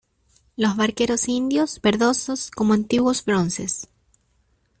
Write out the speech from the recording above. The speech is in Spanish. los barqueros indios, verdosos como antiguos bronces ,